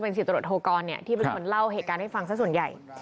สิบตรวจโทกรที่เป็นคนเล่าเหตุการณ์ให้ฟังสักส่วนใหญ่